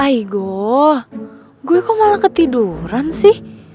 eh gue kok malah ketiduran sih